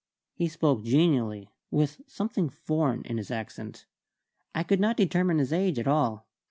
He spoke genially, with something foreign in his accent. I could not determine his age at all.